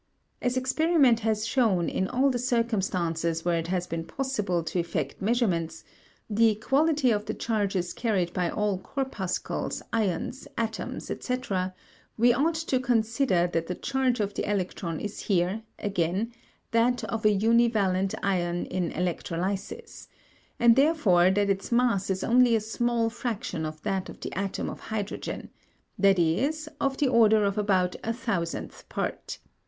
As experiment has shown, in all the circumstances where it has been possible to effect measurements, the equality of the charges carried by all corpuscules, ions, atoms, etc., we ought to consider that the charge of the electron is here, again, that of a univalent ion in electrolysis, and therefore that its mass is only a small fraction of that of the atom of hydrogen, viz., of the order of about a thousandth part.